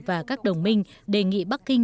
và các đồng minh đề nghị bắc kinh